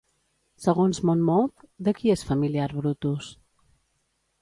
Segons Monmouth, de qui és familiar Brutus?